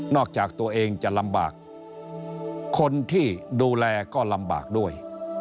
จากตัวเองจะลำบากคนที่ดูแลก็ลำบากด้วย